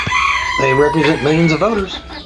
They represent millions of voters!